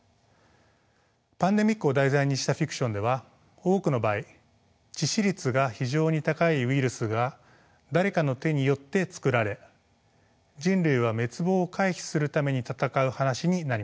パンデミックを題材にしたフィクションでは多くの場合「致死率が非常に高いウイルス」が「誰かの手によって作られ」「人類は滅亡を回避するために戦う」話になります。